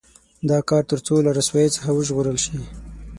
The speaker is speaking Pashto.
دا کار تر څو له رسوایۍ څخه وژغورل شي.